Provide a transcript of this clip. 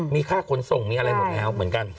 มีค่าขนส่งมีอะไรหมดแล้วเหมือนกัน